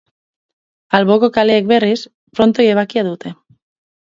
Alboko kaleek, berriz, frontoi ebakia dute.